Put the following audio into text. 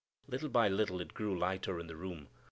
Little by little it grew lighter in the room.